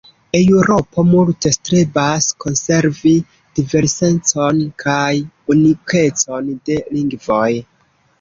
Eŭropo multe strebas konservi diversecon kaj unikecon de lingvoj.